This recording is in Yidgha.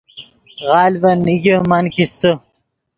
غلڤن نیگے من کیستے